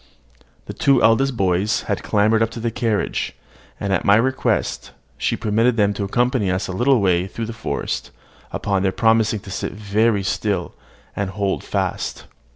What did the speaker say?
The two eldest boys had clambered up the carriage; and, at my request, she permitted them to accompany us a little way through the forest, upon their promising to sit very still, and hold fast.